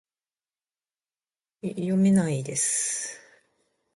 此处贡献的语句将被添加到采用许可证的公开数据集中。